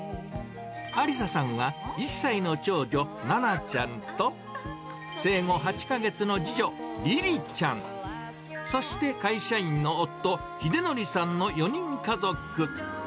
ありささんは１歳の長女、ななちゃんと、生後８か月の次女、りりちゃん、そして会社員の夫、ひでのりさんの４人家族。